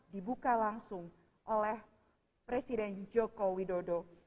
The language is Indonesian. dibuka langsung oleh presiden joko widodo